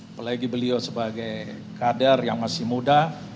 apalagi beliau sebagai kader yang masih muda